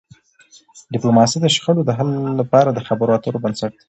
ډيپلوماسي د شخړو د حل لپاره د خبرو اترو بنسټ دی.